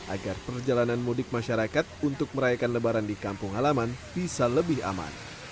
agar perjalanan mudik masyarakat untuk merayakan lebaran di kampung halaman bisa lebih aman